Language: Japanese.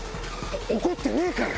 怒ってねえから。